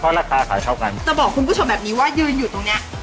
ราคาขายเท่ากันจะบอกคุณผู้ชมแบบนี้ว่ายืนอยู่ตรงเนี้ย